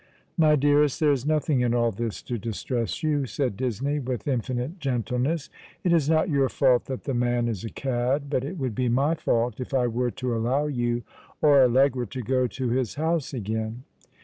"My dearest, there is nothing in all this to distress you," said Disney, with infinite gentleness. " It is not your fault that the man is a cad ; but it would be my fault if I were to allow you or Allegra to go to his house again."